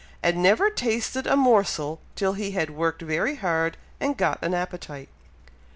and never tasted a morsel till he had worked very hard and got an appetite.